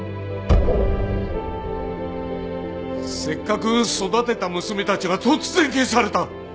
せっかく育てた娘たちが突然消された！